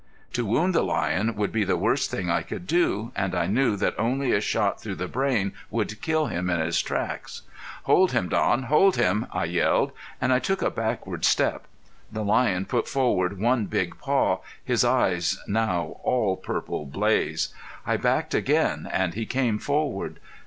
To wound the lion would be the worst thing I could do, and I knew that only a shot through the brain would kill him in his tracks. "Hold him, Don, hold him!" I yelled, and I took a backward step. The lion put forward one big paw, his eyes now all purple blaze. I backed again and he came forward.